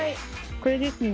これですね。